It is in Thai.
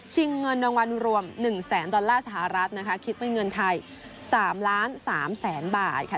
ชิงเงินรางวัลรวม๑๐๐๐๐๐ดอลลาร์สหรัฐนะคะคิดเป็นเงินไทย๓๓๐๐๐๐๐บาทค่ะ